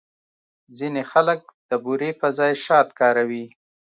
ځینې خلک د بوري پر ځای شات کاروي.